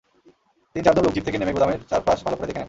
তিন-চারজন লোক জিপ থেকে নেমে গুদামের চারপাশ ভালো করে দেখে নেন।